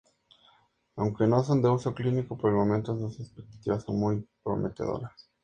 Aunque no son de uso clínico por el momento, sus expectativas son muy prometedoras.